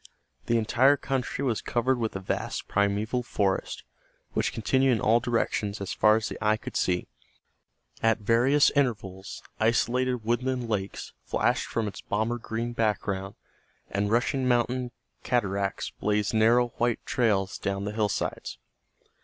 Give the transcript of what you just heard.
The entire country was covered with a vast primeval forest which continued in all directions as far as the eye could see. At various intervals isolated woodland lakes flashed from its Bomber green background and rushing mountain cataracts blazed narrow white trails down the hillsides.